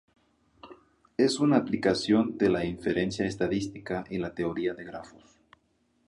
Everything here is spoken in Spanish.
Es una aplicación de la inferencia estadística y la teoría de grafos.